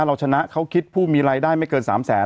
เราชนะเขาคิดผู้มีรายได้ไม่เกิน๓แสน